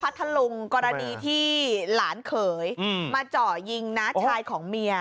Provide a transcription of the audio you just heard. ทะลุงกรณีที่หลานเขยมาเจาะยิงน้าชายของเมีย